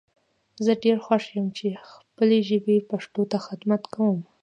زه ډیر خوښ یم چی خپلې ژبي پښتو ته خدمت کوم